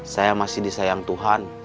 saya masih disayang tuhan